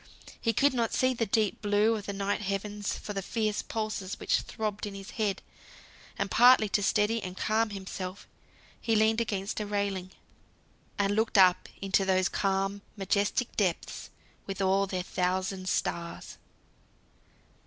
He could not see the deep blue of the night heavens for the fierce pulses which throbbed in his head. And partly to steady and calm himself, he leaned against a railing, and looked up into those calm majestic depths with all their thousand stars.